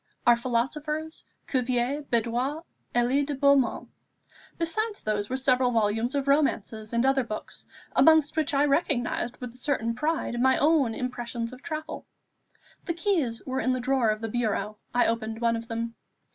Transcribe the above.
Our philosophers Cuvier, Beudant, Elie de Beaumont. Besides these there were several volumes of romances and other books, amongst which I recognized, with a certain pride, my own "Impression of Travel." The keys were in the drawer of the bureau. I opened one of them.